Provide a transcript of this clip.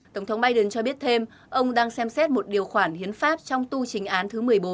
tổng thống biden cho biết thêm ông đang xem xét một điều khoản hiến pháp trong tu trình án thứ một mươi bốn